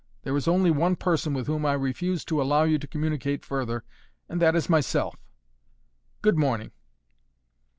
There is only one person with whom I refuse to allow you to communicate further, and that is myself. Good morning."